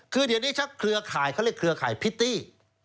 คือเดี๋ยวนี้ชักเครือข่ายเขาเรียกเครือข่ายพิตตี้